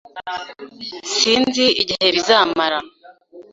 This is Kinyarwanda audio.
Sinzi igihe bizamara.